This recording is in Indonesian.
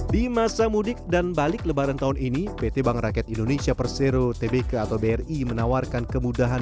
di masa mudik dan balik lebaran tahun ini pt bank rakyat indonesia persero tbk atau bri menawarkan kemudahan